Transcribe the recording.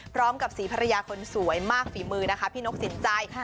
พร้อมกับสีภรรยาคนสวยมากฝีมือนะคะพี่นกสินใจ